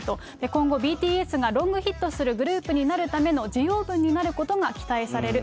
今後、ＢＴＳがロングヒットするグループになるための滋養分になることが期待される。